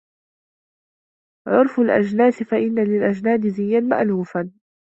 عُرْفُ الْأَجْنَاسِ فَإِنَّ لِلْأَجْنَادِ زِيًّا مَأْلُوفًا